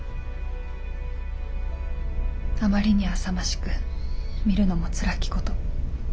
「あまりにあさましく見るのもつらきこと。